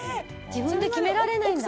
自分で決められないんだ。